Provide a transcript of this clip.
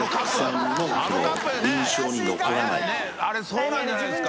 △そうなんじゃないですか？